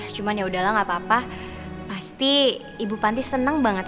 cuman yaudahlah gak papa pasti ibu panti seneng banget